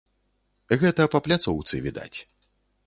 Гэта па пляцоўцы відаць.